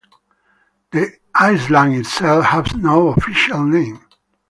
The island itself has no official name.